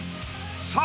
さあ